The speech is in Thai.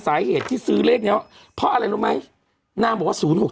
สาเหตุที่ซื้อเลขนี้เพราะอะไรรู้ไหมนางบอกว่า๐๖๖